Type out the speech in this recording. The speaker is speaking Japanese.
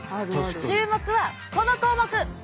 注目はこの項目。